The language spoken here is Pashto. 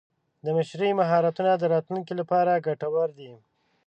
د مشرۍ مهارتونه د راتلونکي لپاره ګټور دي.